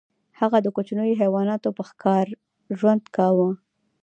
هغه د کوچنیو حیواناتو په ښکار ژوند کاوه.